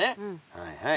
はいはい。